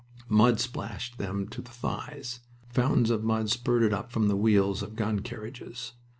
Mud splashed them to the thighs. Fountains of mud spurted up from the wheels of gun carriages.